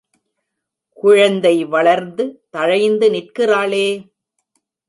குழந்தை வளர்ந்து தழைந்து நிற்கிறாளே!